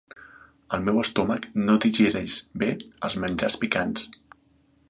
El meu estómac no digereix bé els menjars picants.